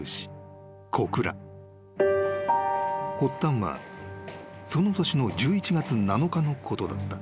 ［発端はその年の１１月７日のことだった］